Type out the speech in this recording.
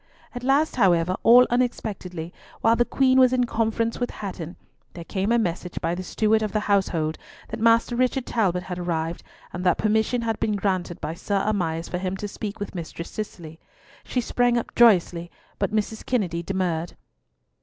At last, however, all unexpectedly, while the Queen was in conference with Hatton, there came a message by the steward of the household, that Master Richard Talbot had arrived, and that permission had been granted by Sir Amias for him to speak with Mistress Cicely. She sprang up joyously, but Mrs. Kennedy demurred.